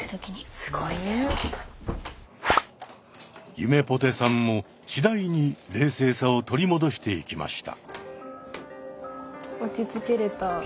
ゆめぽてさんも次第に冷静さを取り戻していきました。